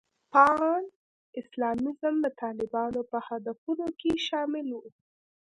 پان اسلامیزم د طالبانو په هدفونو کې شامل و.